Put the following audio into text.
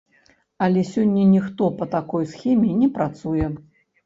Але сёння ніхто па такой схеме не працуе.